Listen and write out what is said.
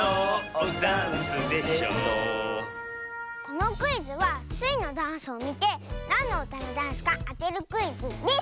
このクイズはスイのダンスをみてなんのうたのダンスかあてるクイズです！